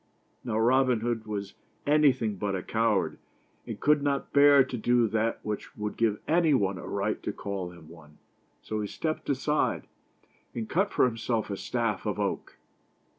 Now Robin Hood was anything but a coward, and could not bear to do that which would give anybody a right to call him one ; so he stepped aside and cut for himself a staff of oak.